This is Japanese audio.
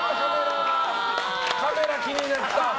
カメラ、気になった。